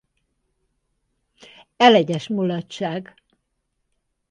Elegyes mulatság.